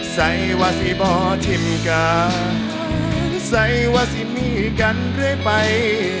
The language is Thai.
ใส่ว่าสี่บ่ทิมการใส่ว่าสี่มีกันเรื่อยไป